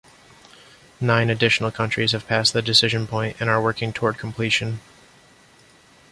Nine additional countries have passed the decision point and are working toward completion.